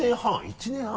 １年半。